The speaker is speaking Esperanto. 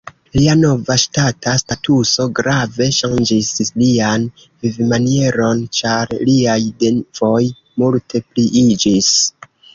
Lia nova ŝtata statuso grave ŝanĝis lian vivmanieron, ĉar liaj devoj multe pliiĝis.